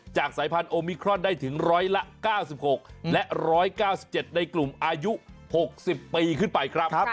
สายพันธุมิครอนได้ถึงร้อยละ๙๖และ๑๙๗ในกลุ่มอายุ๖๐ปีขึ้นไปครับ